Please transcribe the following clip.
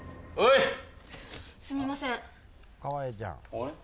あれ？